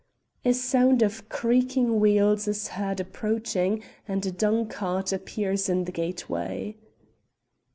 A sound of creaking wheels is heard approaching, and a dung cart appears in the gate way.